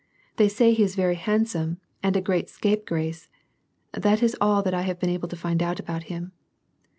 They say he is very handsome and a great scape grace ; that is all that I have been able to find out about him.